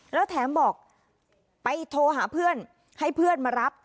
แล้วแถมบอกไปโทรหาเพื่อนให้เพื่อนมารับ